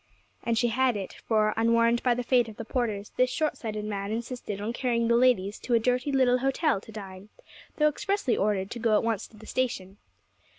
And she had it; for, unwarned by the fate of the porters, this short sighted man insisted on carrying the ladies to a dirty little hotel to dine, though expressly ordered to go at once to the station.